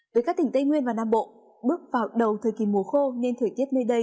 với các tỉnh tây nguyên và nam bộ bước vào đầu thời kỳ mùa khô nên thời tiết nơi đây